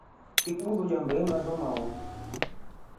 Ngiri busulia mringa maua.